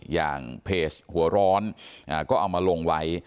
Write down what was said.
อย่างเพจหัวร้อนก็เอามาลงไว้